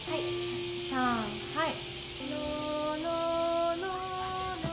さんはい。